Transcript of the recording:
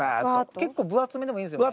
結構分厚めでもいいんですよね。